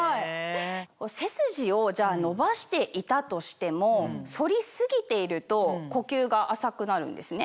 背筋を伸ばしていたとしても反り過ぎていると呼吸が浅くなるんですね。